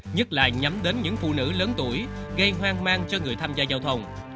nhất là nhắm đến những phụ nữ lớn tuổi gây hoang mang cho người tham gia giao thông